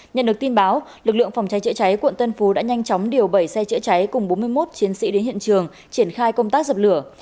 nhận được tin báo lực lượng phòng cháy chữa cháy quận tân phú đã nhanh chóng điều bảy xe chữa cháy cùng bốn mươi một chiến sĩ đến hiện trường triển khai công tác dập lửa